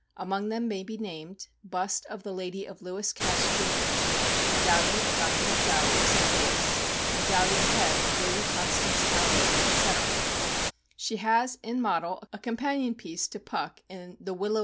Among them may be named : bust of the lady of Lewis Cass, Jr. ; medallion of Br. McDowell, of St. Louis ; medallion head of Lady Constance Talbot, &c. She has, in model, a companion piece to " Puck" in the " "Will o ?